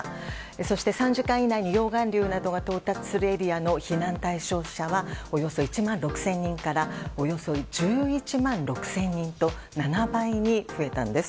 そして３時間以内に溶岩流などが到達するエリアの避難対象者はおよそ１万６０００人からおよそ１１万６０００人と７倍に増えたんです。